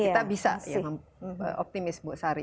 kita bisa optimis bu sari